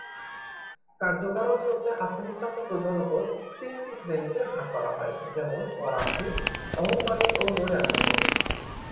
কার্যকারণসূত্রে আত্মহত্যাকে প্রধানত তিনটি শ্রেণিতে ভাগ করা হয়, যেমন পরার্থী, অহংবাদী ও নৈরাজ্যমূলক।